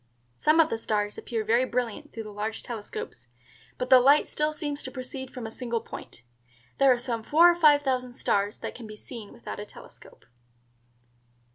Some of the stars appear very brilliant through the large telescopes, but the light still seems to proceed from a single point. There are some four or five thousand stars that can be seen without a telescope."